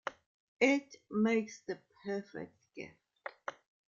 It makes the perfect gift.